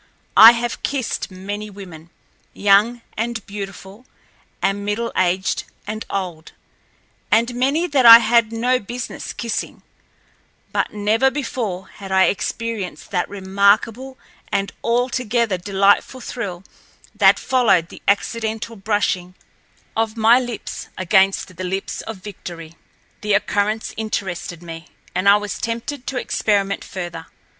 I have kissed many women—young and beautiful and middle aged and old, and many that I had no business kissing—but never before had I experienced that remarkable and altogether delightful thrill that followed the accidental brushing of my lips against the lips of Victory. The occurrence interested me, and I was tempted to experiment further.